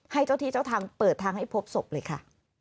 ให้เจ้าที่เจ้าทางเปิดทางให้พบศพเลยค่ะ